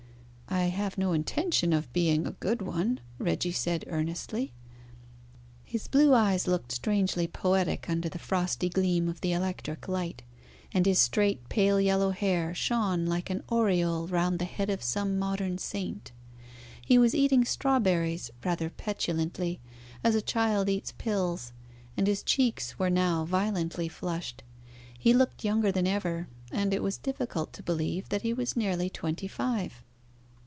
"I have no intention of being a good one," Reggie said earnestly. His blue eyes looked strangely poetic under the frosty gleam of the electric light, and his straight pale yellow hair shone like an aureole round the head of some modern saint. He was eating strawberries rather petulantly, as a child eats pills, and his cheeks were now violently flushed. He looked younger than ever, and it was difficult to believe that he was nearly twenty five.